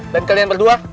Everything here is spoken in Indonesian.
dan kalian berdua